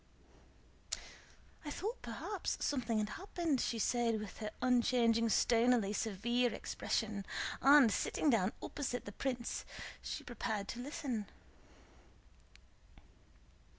*Catherine. "I thought perhaps something had happened," she said with her unchanging stonily severe expression; and, sitting down opposite the prince, she prepared to listen.